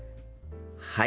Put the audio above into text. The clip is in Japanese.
はい。